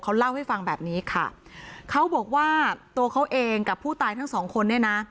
เขาเล่าให้ฟังแบบนี้ค่ะเขาบอกว่าตัวเขาเองกับผู้ตายทั้งสองคนเนี่ยนะ